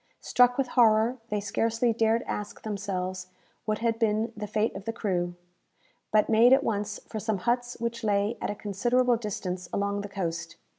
Struck with horror, they scarcely dared ask themselves what had been the fate of the crew, but made at once for some huts which lay at a considerable distance along the coast.